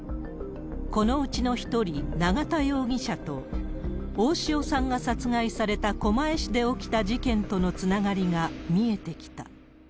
このうちの１人、永田容疑者と、大塩さんが殺害された狛江市で起きた事件とのつながりが見えてきた。